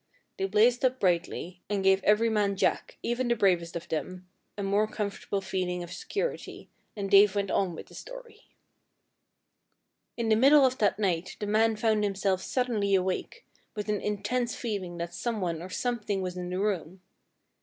They blazed up brightly, and gave every man Jack, even the bravest of them, a more comfortable feeling of security, and Dave went on with the story: "In the middle of that night the man found himself suddenly awake, with an intense feeling that someone or something was in the room.